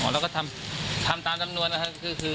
อร์แล้วก็ทำตามจำนวนคือออกมาเรื่อย